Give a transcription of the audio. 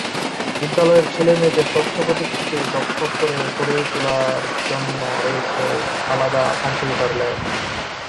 বিদ্যালয়ের ছেলে-মেয়েদের তথ্য প্রযুক্তিতে দক্ষ করে গড়ে তোলার জন্য রয়েছে আলাদা কম্পিউটার ল্যাব।